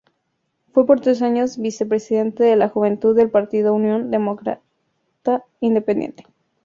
Fue por tres años vicepresidente de la Juventud del Partido Unión Demócrata Independiente.